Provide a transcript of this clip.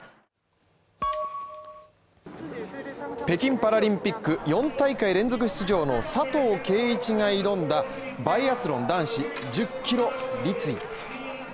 北京パラリンピック４大会連続出場の佐藤圭一が挑んだバイアスロン男子１０ｋｍ立位。